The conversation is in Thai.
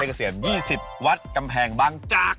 เทศเกษียม๒๐วัตต์กำแพงบังจักร